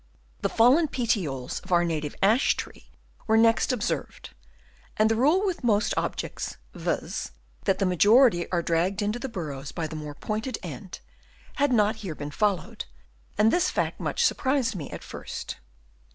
The fallen petioles of our native ash tree were next observed, and the rule with most objects, viz., that a large majority are dragged into the burrows by the more pointed end, had not here been followed ; and this fact much surprised me at first.